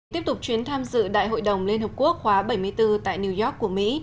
tiếp tục chuyến tham dự đại hội đồng liên hợp quốc khóa bảy mươi bốn tại new york của mỹ